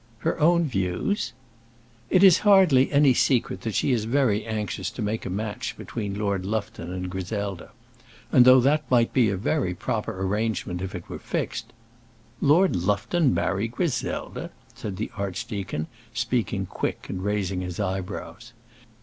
"Her own views?" "It is hardly any secret that she is very anxious to make a match between Lord Lufton and Griselda. And though that might be a very proper arrangement if it were fixed " "Lord Lufton marry Griselda!" said the archdeacon, speaking quick and raising his eyebrows.